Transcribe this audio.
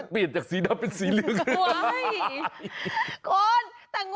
เปลี่ยนดอกเป็นสีเหลืองอ่ะ